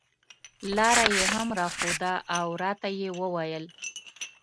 لاره یې هم راښوده او راته یې وویل.